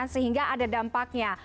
sehingga ada dampaknya